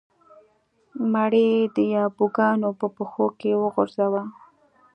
مړی یې د یابو ګانو په پښو کې وغورځاوه.